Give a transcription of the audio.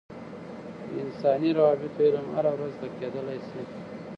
د انساني روابطو علم هره ورځ زده کیدلای سي.